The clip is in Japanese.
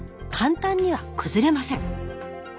簡単には崩れません。